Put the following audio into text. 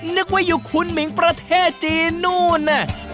นึกว่าอยู่คุณหมิงประเทศจีนนู่นน่ะ